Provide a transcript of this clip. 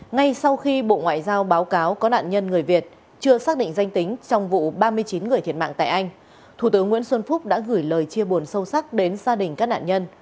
ngay sau khi bộ ngoại giao báo cáo có nạn nhân người việt chưa xác định danh tính trong vụ ba mươi chín người thiệt mạng tại anh thủ tướng nguyễn xuân phúc đã gửi lời chia buồn sâu sắc đến gia đình các nạn nhân